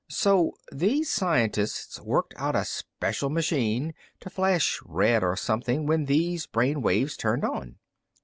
So these scientists worked out a special machine to flash red or something when these brain waves turned on."